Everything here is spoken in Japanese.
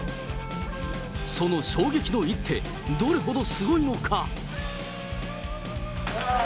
その衝撃の一手、どれほどすごいのか。